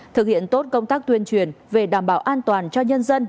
thực hiện tốt công tác tuyên truyền về đảm bảo an toàn cho nhân dân